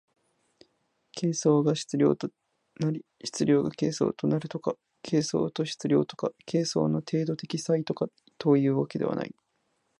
形相が質料となり質料が形相となるとか、形相と質料とか形成の程度的差異とかというのではない。